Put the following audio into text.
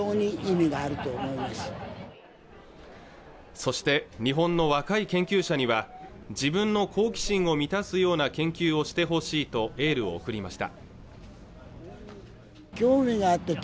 そして日本の若い研究者には自分の好奇心を満たすような研究をしてほしいとエールを送りました